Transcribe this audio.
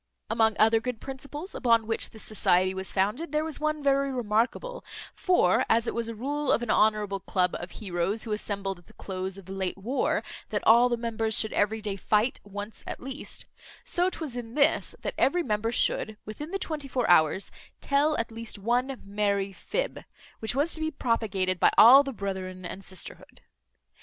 Among other good principles upon which this society was founded, there was one very remarkable; for, as it was a rule of an honourable club of heroes, who assembled at the close of the late war, that all the members should every day fight once at least; so 'twas in this, that every member should, within the twenty four hours, tell at least one merry fib, which was to be propagated by all the brethren and sisterhood.